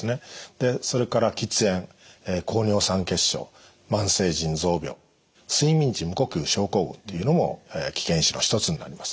でそれから喫煙高尿酸血症慢性腎臓病睡眠時無呼吸症候群っていうのも危険因子の一つになります。